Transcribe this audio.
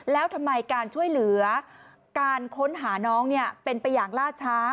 แล้วทำไมการช่วยเหลือการค้นหาน้องเป็นไปอย่างล่าช้า